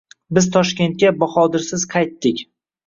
Biz Toshkentga Bahodirsiz qaytdik.